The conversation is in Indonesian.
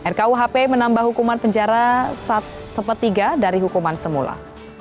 rkuhp menambah hukuman penjara sepertiga dari hukuman semula